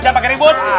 jangan pakai ribut